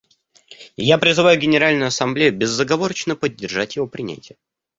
Я призываю Генеральную Ассамблею безоговорочно поддержать его принятие.